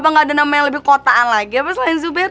apa gak ada nama yang lebih kotaan lagi apa selain zubair